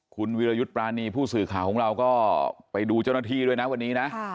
คุณวิรยุทธ์ปรานีผู้สื่อข่าวของเราก็ไปดูเจ้าหน้าที่ด้วยนะวันนี้นะ